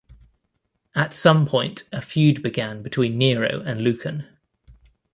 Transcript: At some point, a feud began between Nero and Lucan.